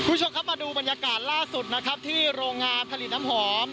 คุณผู้ชมครับมาดูบรรยากาศล่าสุดนะครับที่โรงงานผลิตน้ำหอม